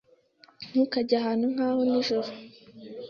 Ntukajye ahantu nkaho nijoro.